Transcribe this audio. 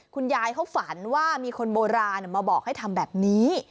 คุณยายเขาฝันว่ามีคนโบราณมาบอกให้ทำแบบนี้